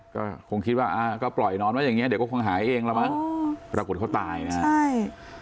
ก็คงคิดว่าอ่าก็ปล่อยนอนไว้อย่างเงี้เดี๋ยวก็คงหายเองแล้วมั้งปรากฏเขาตายนะฮะใช่